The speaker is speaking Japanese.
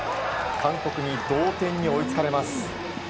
韓国に同点に追いつかれます。